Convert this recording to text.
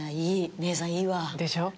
姉さんいいわ。でしょ？